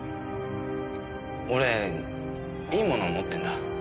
俺いいもの持ってんだ。